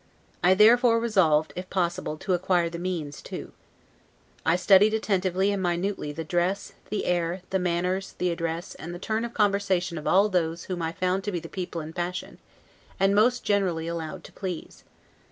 I therefore resolved, if possible, to acquire the means, too. I studied attentively and minutely the dress, the air, the manner, the address, and the turn of conversation of all those whom I found to be the people in fashion, and most generally allowed to please.